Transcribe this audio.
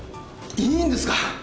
いいんですか？